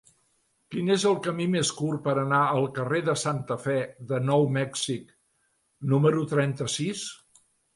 Quin és el camí més curt per anar al carrer de Santa Fe de Nou Mèxic número trenta-sis?